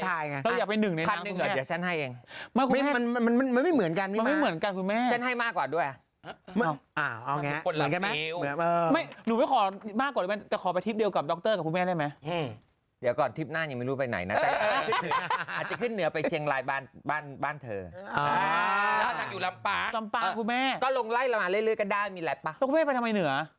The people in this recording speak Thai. เราอยากไปหนึ่งในน้ำคุณแม่คุณแม่คุณแม่คุณแม่คุณแม่คุณแม่คุณแม่คุณแม่คุณแม่คุณแม่คุณแม่คุณแม่คุณแม่คุณแม่คุณแม่คุณแม่คุณแม่คุณแม่คุณแม่คุณแม่คุณแม่คุณแม่คุณแม่คุณแม่คุณแม่คุณแม่คุณแม่คุณแม่คุณแม่คุณแ